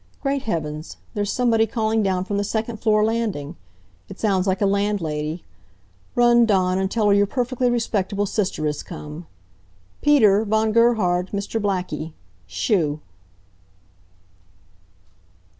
Great Heavens! There's somebody calling down from the second floor landing. It sounds like a landlady. Run, Dawn, and tell her your perfectly respectable sister has come. Peter! Von Gerhard! Mr. Blackie! Shoo!"